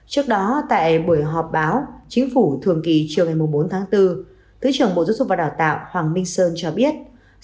trước đó tại buổi họp báo chính phủ thường kỳ chiều ngày bốn tháng bốn thứ trưởng bộ giáo dục và đào tạo hoàng minh sơn cho biết